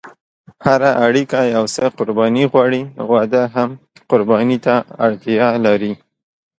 هره اړیکه یو څه قرباني غواړي، واده هم قرباني ته اړتیا لري.